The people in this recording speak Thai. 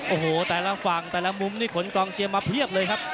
โอ้โหแต่ละฝั่งแต่ละมุมนี่ขนกองเชียร์มาเพียบเลยครับ